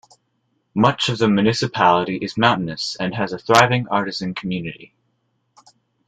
Much of the municipality is mountainous and has a thriving artisan community.